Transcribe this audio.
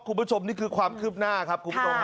คุณผู้ชมนี่คือความคึบหน้าครับ